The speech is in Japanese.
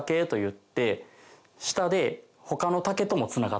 下で。